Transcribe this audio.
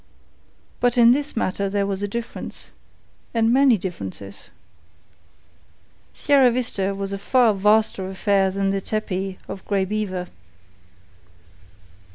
But in this matter there was a difference, and many differences. Sierra Vista was a far vaster affair than the tepee of Grey Beaver.